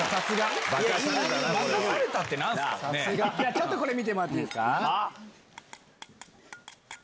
ちょっとこれ見てもらっていいですか？